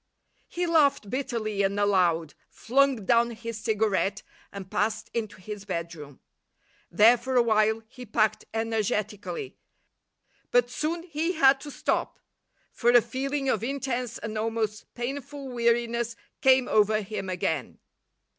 He laughed bitterly and aloud, flung down his cigarette and passed into his bedroom. There for a while he packed energetically, but soon he had to stop for a feeling of intense and almost painful weariness came over him again.